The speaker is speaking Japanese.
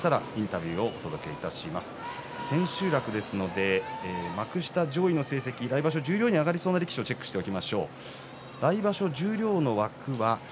千秋楽ですので来場所十両に上がれそうな力士をチェックしておきましょう。